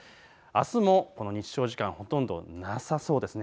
あすも日照時間ほとんどなさそうです。